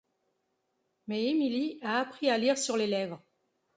Mais Emily a appris à lire sur les lèvres.